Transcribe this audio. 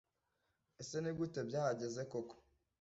ese ni gute byahageze koko